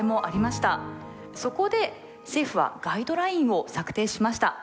そこで政府はガイドラインを策定しました。